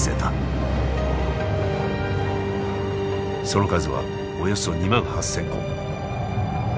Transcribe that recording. その数はおよそ２万８，０００個。